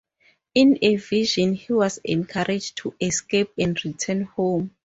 In a vision he was encouraged to escape and return home.